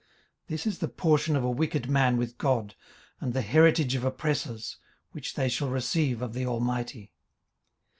18:027:013 This is the portion of a wicked man with God, and the heritage of oppressors, which they shall receive of the Almighty.